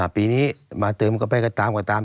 ปีนี้มาเติมก็ไปกันตาม